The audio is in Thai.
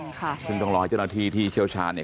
ใช่ค่ะซึ่งต้องรอให้เจ้าหน้าที่ที่เชี่ยวชาญเนี่ย